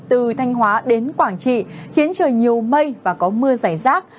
từ thanh hóa đến quảng trị khiến trời nhiều mây và có mưa rải rác